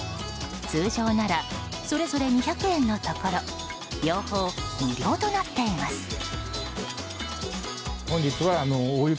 通常ならそれぞれ２００円のところ両方無料となっています。